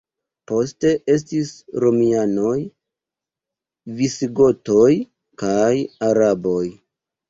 Poste estis romianoj, visigotoj kaj araboj.